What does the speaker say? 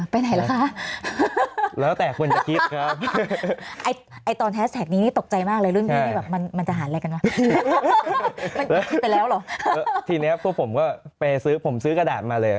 ไปไหนละคะ